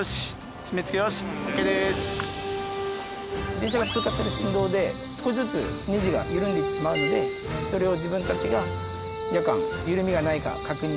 電車が通過する振動で少しずつネジが緩んでいってしまうのでそれを自分たちが夜間。